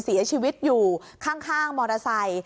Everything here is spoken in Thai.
เสียชีวิตอยู่ข้างมอเตอร์ไซค์